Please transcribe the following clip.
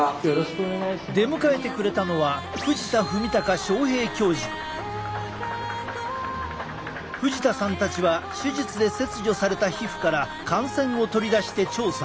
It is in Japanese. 出迎えてくれたのは藤田さんたちは手術で切除された皮膚から汗腺を取り出して調査。